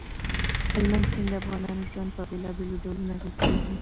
هلمند سیند د افغانانو ژوند په بېلابېلو ډولونو اغېزمنوي.